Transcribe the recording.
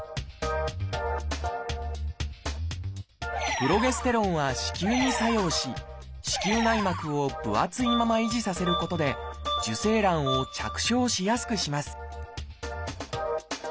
プロゲステロンは子宮に作用し子宮内膜を分厚いまま維持させることで受精卵を着床しやすくします